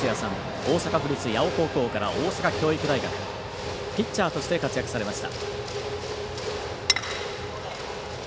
大阪・八尾高校から大阪教育大学ピッチャーとして活躍されました。